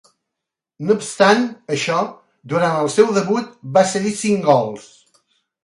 No obstant això, durant el seu debut va cedir cinc gols.